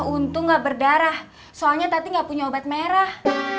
untung gak berdarah soalnya tadi nggak punya obat merah